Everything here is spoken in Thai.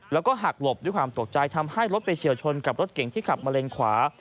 แล้วก็หักหลบด้วยความตกใจทำให้รถไปเฉียวชนกับรถเก่งที่ขับมาเลนขวา